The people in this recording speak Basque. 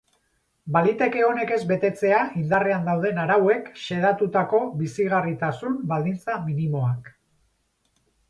Baliteke honek ez betetzea indarrean dauden arauek xedatutako bizigarritasun baldintza minimoak.